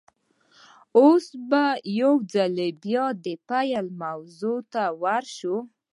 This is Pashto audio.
اوس به يوځل بيا د پيل موضوع ته ور شو.